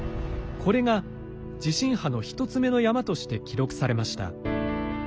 これが地震波の１つ目の山として記録されました。